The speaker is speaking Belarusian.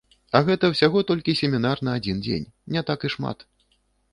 А гэта ўсяго толькі семінар на адзін дзень, не так і шмат.